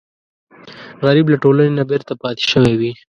غریب له ټولنې نه بېرته پاتې شوی وي